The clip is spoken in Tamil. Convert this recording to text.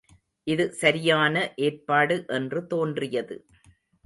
இது சரியான ஏற்பாடு என்று தோன்றியது.